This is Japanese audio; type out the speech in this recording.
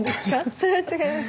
それは違いますか？